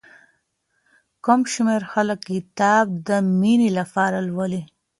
کم شمېر خلک کتاب د مينې لپاره لولي.